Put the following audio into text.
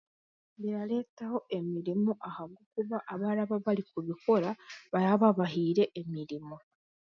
birareetaho emirimo ahabwokuba abaraba barikubabarikubikora baraababahaire emirimo